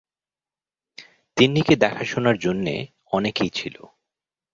তিন্নিকে দেখাশোনার জন্যে অনেকেই ছিল।